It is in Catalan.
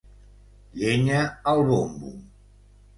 Llenya al bombo!